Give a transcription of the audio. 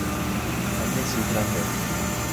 ہم نے سیکھنا ہے۔